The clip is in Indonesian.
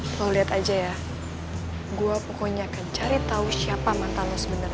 lo liat aja ya gue pokoknya akan cari tau siapa mantan lo sebenernya